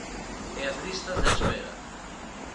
E as listas de espera.